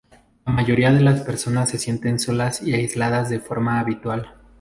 La mayoría de las personas se sienten solas y aisladas de forma habitual.